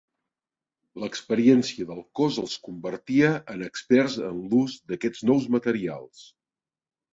L'experiència del Cos els convertia en experts en l'ús d'aquests nous materials.